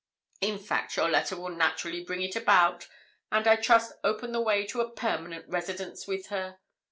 In fact, your letter will naturally bring it about, and, I trust, open the way to a permanent residence with her.